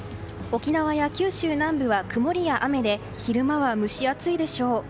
沖縄や九州南部は曇りや雨で昼間は蒸し暑いでしょう。